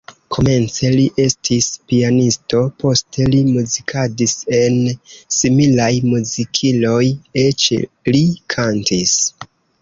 Komence li estis pianisto, poste li muzikadis en similaj muzikiloj, eĉ li kantis.